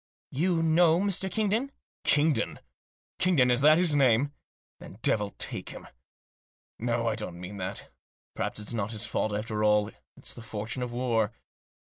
" You know Mr. Kingdon ?"" Kingdon ? Kingdon ? Is that his name ? Then devil take him ! No, I don't mean that. Perhaps it's not his fault after all ; it's the fortune of war.